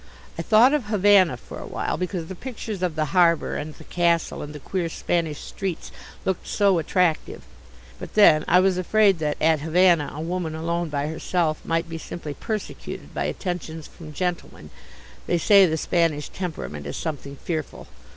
I thought of Havana for a while, because the pictures of the harbour and the castle and the queer Spanish streets looked so attractive, but then I was afraid that at Havana a woman alone by herself might be simply persecuted by attentions from gentlemen. They say the Spanish temperament is something fearful.